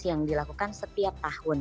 yang dilakukan setiap tahun